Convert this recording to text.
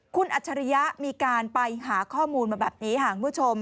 คุณอัจฉริยะมีการไปหาข้อมูลมาแบบนี้ค่ะคุณผู้ชม